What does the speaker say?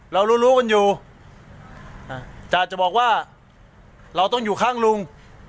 เรารู้รู้กันอยู่แต่จะบอกว่าเราต้องอยู่ข้างลุง